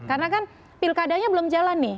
karena kan pilkadanya belum jalan nih